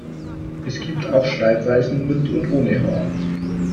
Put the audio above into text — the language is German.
Es gibt auch Schreibweisen mit und ohne H.